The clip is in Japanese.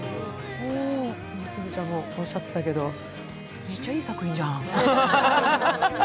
すずちゃんもおっしゃってたけど、めっちゃいい作品じゃん。